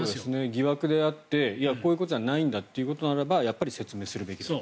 疑惑であってこういうことじゃないんだというのであればやっぱり説明するべきだと。